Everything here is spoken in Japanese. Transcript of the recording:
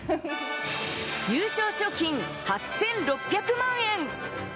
優勝賞金８６００万円。